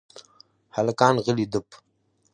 هلکان غلي دپ .